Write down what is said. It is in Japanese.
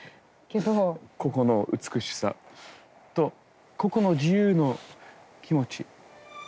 ここの美しさとここの自由の気持ち。